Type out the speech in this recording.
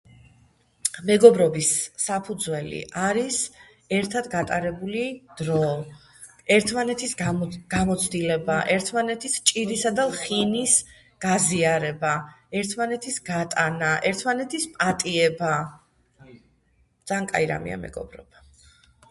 მეგობრობის საფუძველი არის ერთად გატარებული დრო ერთმანეთის გამოცდილება ერთმანეთის ჭირსა და ლხილის გაზიარება ერთმანეთის გატანა ერთმანეთის პატიება ძან კარგი რამეა მეგობრებო